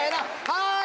はい！